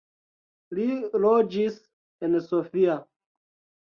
Li loĝis en Sofia.